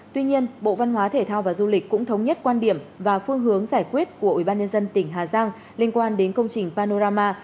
tuy nhiên bộ văn hóa thể thao và du lịch cũng thống nhất quan điểm và phương hướng giải quyết của ubnd tỉnh hà giang liên quan đến công trình panorama